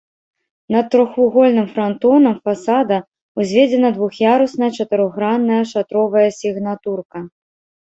Над трохвугольным франтонам фасада ўзведзена двух'ярусная чатырохгранная шатровая сігнатурка.